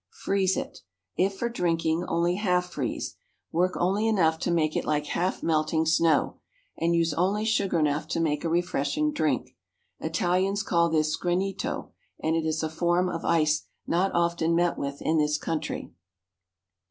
Freeze it. If for drinking, only half freeze, work only enough to make it like half melting snow, and use only sugar enough to make a refreshing drink. Italians call this granito, and it is a form of ice not often met with in this country.